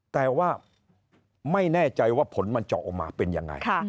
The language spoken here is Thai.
แต่ว่าไม่แน่ใจว่าผลมันจะออกมาเป็นยังไง